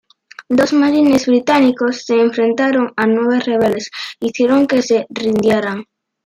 Dos marines británicos se enfrentaron a nueve rebeldes e hicieron que se rindieran.